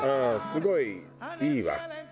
すごいいい。いいわ。